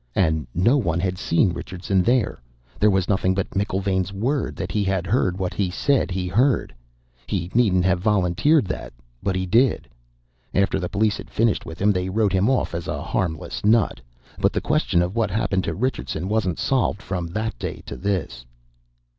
"And no one had seen Richardson there. There was nothing but McIlvaine's word that he had heard what he said he heard. He needn't have volunteered that, but he did. After the police had finished with him, they wrote him off as a harmless nut. But the question of what happened to Richardson wasn't solved from that day to this."